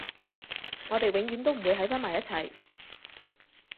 我哋永遠都唔會喺返埋一齊